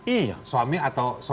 iya suami atau